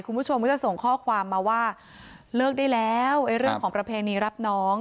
คุณผู้ชมก็จะส่งข้อความมาว่าเลิกได้แล้วเรื่องของประเพณีรับน้อง